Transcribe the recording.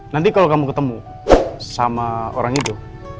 nanti kalau kamu ketemu sama orang itu